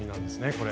これ。